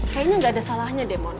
kayaknya gak ada salahnya deh mon